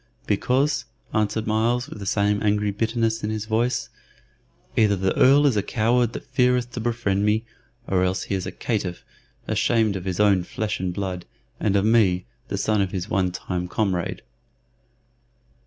"Because," answered Myles, with the same angry bitterness in his voice, "either the Earl is a coward that feareth to befriend me, or else he is a caitiff, ashamed of his own flesh and blood, and of me, the son of his one time comrade."